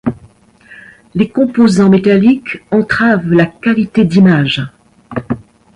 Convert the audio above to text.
Les composants métalliques entravent la qualité d'images.